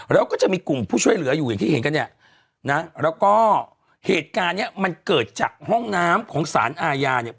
แล้วก็จะมีกลุ่มผู้ช่วยเหลืออยู่อย่างที่เห็นกันเนี่ยนะแล้วก็เหตุการณ์เนี้ยมันเกิดจากห้องน้ำของสารอาญาเนี่ย